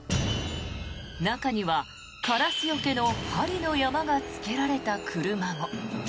中にはカラスよけの針の山がつけられた車も。